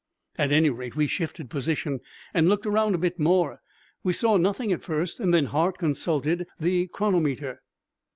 At any rate, we shifted position and looked around a bit more. We saw nothing at first. Then Hart consulted the chronometer.